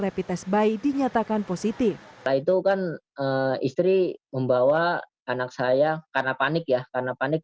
repit tes bayi dinyatakan positif itu kan istri membawa anak saya karena panik ya karena panik